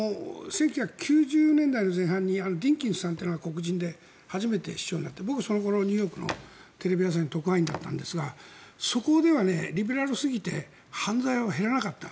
１９９０年代前半に黒人で、初めて市長になって僕、その頃ニューヨークのテレビ朝日の特派員だったんですがそこではリベラルすぎて犯罪が減らなかった。